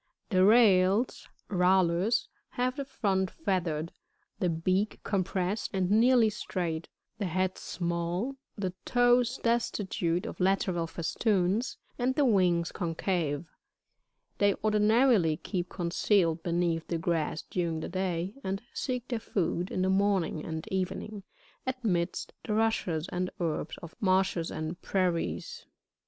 58. The Rails, — Rallus, — have the front feathered, the bealr compressed and nearly straight, the head small, the toes destitute of lateral festoons, and the wings concave. They ordinarily keep concealed beneath the grass during the day, and seek their food, in the morning and evening, amidst the rushes and herbs of marshes and prairies. 59.